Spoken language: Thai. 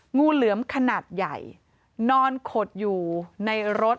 งูเหลือมขนาดใหญ่นอนขดอยู่ในรถ